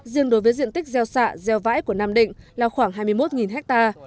riêng đối với diện tích gieo xạ gieo vãi của nam định là khoảng hai mươi một ha